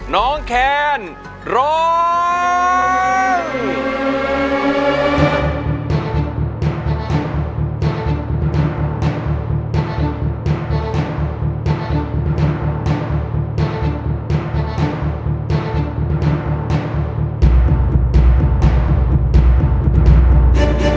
น้องแคนร้อง